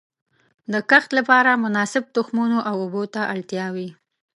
د کښت لپاره مناسب تخمونو او اوبو ته اړتیا وي.